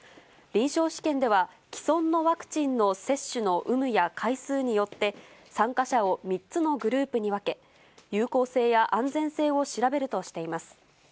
臨床試験では、既存のワクチンの接種の有無や回数によって、参加者を３つのグループに分け、有効性や安全性を調べるとしています。